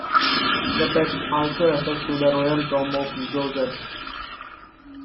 The text also refers to the royal tomb of Djoser.